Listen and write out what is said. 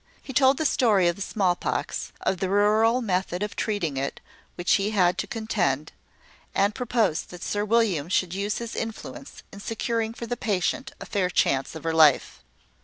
He told the story of the small pox, of the rural method of treating it with which he had to contend, and proposed that Sir William should use his influence in securing for the patient a fair chance of her life.